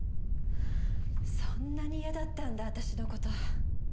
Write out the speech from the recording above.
そんなに嫌だったんだ私の事。